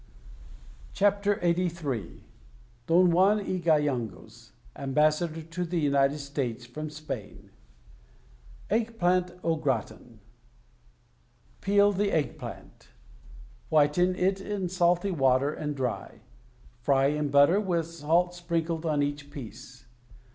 [i6i] THE STAG COOK BOOK LXXXIII L)on Juan y Gayangos (Ambassador to the United States, from Spain) EGG PLANT AU GRATIN Peel the egg plant. Whiten it in salty water, and dry. Fry, in butter, with salt sprinkled on each piece.